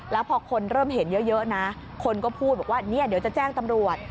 แล้วพอคนเริ่มเห็นเยอะคนก็พูดว่าเดี๋ยวจะแจ้งตำรวจ